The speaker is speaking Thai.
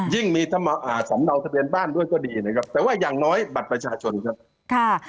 ยิ่งมีสำเนาทะเบียนบ้านด้วยก็ดีนะครับแต่ว่าอย่างน้อยบัตรประชาชนครับค่ะ